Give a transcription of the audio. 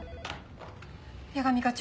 矢上課長